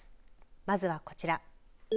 まずはこちら。